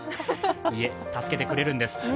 いえ、助けてくれるんです。